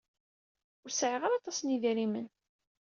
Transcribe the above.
Ur sɛiɣ ara aṭas n yidrimen.